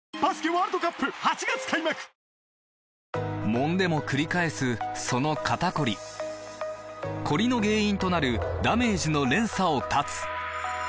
もんでもくり返すその肩こりコリの原因となるダメージの連鎖を断つ！